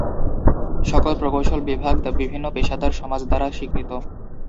সকল প্রকৌশল বিভাগ বিভিন্ন পেশাদার সমাজ দ্বারা স্বীকৃত।